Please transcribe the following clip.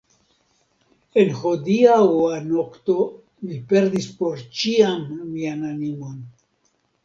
En hodiaŭa nokto mi perdis por ĉiam mian animon!